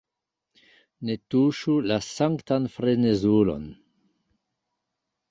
Ne tuŝu la sanktan frenezulon!